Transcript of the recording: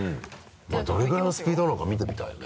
どれぐらいのスピードなのか見てみたいよね。